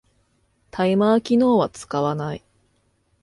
タイマー機能は使わない